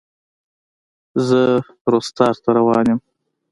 زه رُستاق ته روان یم.